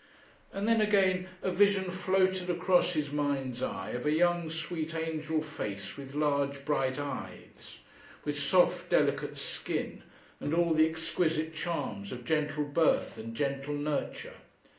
And then again a vision floated across his mind's eye of a young sweet angel face with large bright eyes, with soft delicate skin, and all the exquisite charms of gentle birth and gentle nurture.